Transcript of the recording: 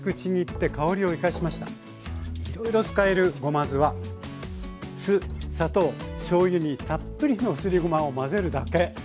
いろいろ使えるごま酢は酢砂糖・しょうゆにたっぷりのすりごまを混ぜるだけ。